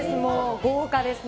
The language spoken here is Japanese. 豪華ですね。